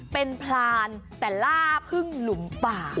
เป็นพรานแต่ล่าพึ่งหลุมป่า